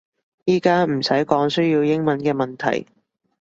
而家唔使講需要英文嘅問題